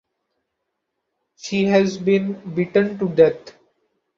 She had been beaten to death.